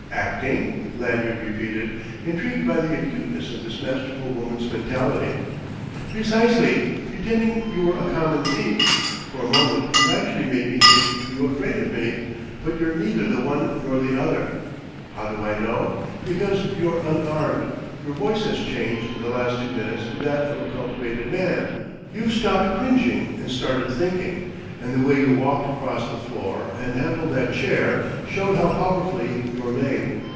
"Acting?" Lanyard repeated, intrigued by the acuteness of this masterful woman's mentality. "Precisely pretending you were a common thief. For a moment you actually made me think you afraid of me. But you're neither the one nor the other. How do I know? Because you're unarmed, your voice has changed in the last two minutes to that of a cultivated man, you've stopped cringing and started thinking, and the way you walked across the floor and handled that chair showed how powerfully you're made.